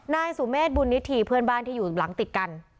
นายสุเมฆบุญนิธีเพื่อนบ้านที่อยู่หลังติดกัน